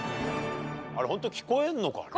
あれホントに聞こえるのかね？